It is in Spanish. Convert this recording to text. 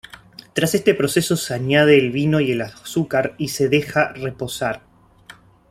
Tras este proceso se añade el vino y el azúcar y se deja reposar.